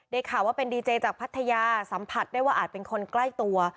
ข่าวว่าเป็นดีเจจากพัทยาสัมผัสได้ว่าอาจเป็นคนใกล้ตัว